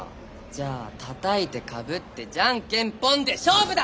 じゃあ「たたいてかぶってじゃんけんぽん」で勝負だ！